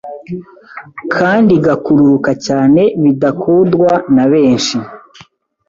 kandi igakururuka cyane bidakudwa nabenshi